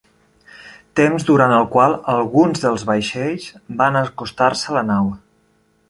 Temps durant el qual alguns dels vaixells van acostar-se a la nau.